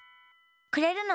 くれるの？